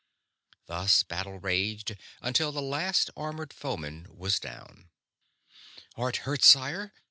Thus battle raged until the last armored foeman was down. "Art hurt, sire?"